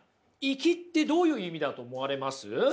いきってどういう意味だと思われます？